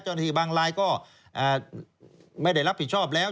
บางรายก็ไม่ได้รับผิดชอบแล้ว